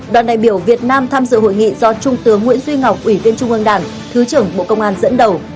đoàn đại biểu việt nam tham dự hội nghị do trung tướng nguyễn duy ngọc ủy viên trung ương đảng thứ trưởng bộ công an dẫn đầu